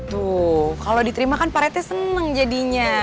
tuh kalau diterima kan pak rete seneng jadinya